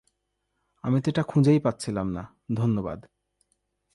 আমি তো এটা খুঁজেই পাচ্ছিলাম না, ধন্যবাদ!